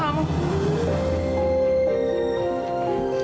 kamu gak apa apa